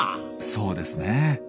そうですね。